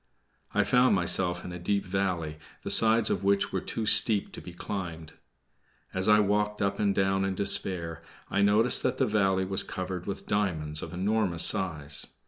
I found myself in a deep valley, the sides of which were too steep to be climbed. As I walked up and down in despair I noticed that the valley was covered with diamonds of enormous size.